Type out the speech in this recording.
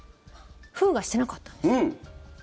封がしてなかったんです。